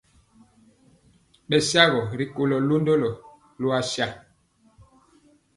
Bɛsaagɔ ri kolo londɔlo loasare.